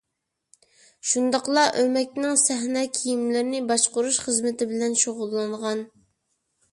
شۇنداقلا ئۆمەكنىڭ سەھنە كىيىملىرىنى باشقۇرۇش خىزمىتى بىلەن شۇغۇللانغان.